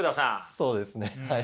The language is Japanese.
そうですねはい。